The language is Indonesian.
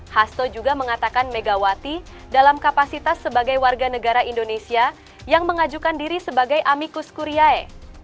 hasto juga mengatakan megawati dalam kapasitas sebagai warga negara indonesia yang mengajukan diri sebagai amikus kuriae